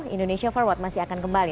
indonesia forward masih akan kembali